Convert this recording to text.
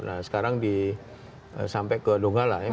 nah sekarang sampai ke donggala ya